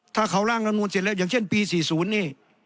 ถ้าเขาร่างรัฐมนูลเสร็จแล้วอย่างเช่นปี๔๐นี่